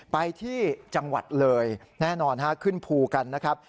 ไปที่จังหวัดเลยแน่นอนขึ้นภูกันนะครับ